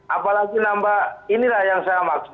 apalagi nambah inilah yang saya maksud